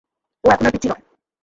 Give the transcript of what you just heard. ও এখন আর পিচ্চি নয়!